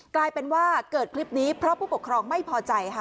กลายเป็นว่าเกิดคลิปนี้เพราะผู้ปกครองไม่พอใจค่ะ